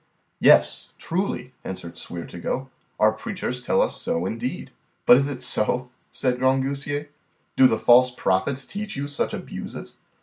Yes, truly, answered Sweer to go, our preachers tell us so indeed. But is it so, said Grangousier, do the false prophets teach you such abuses?